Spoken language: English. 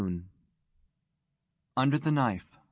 UNDER THE KNIFE.